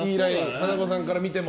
華子さんから見ても？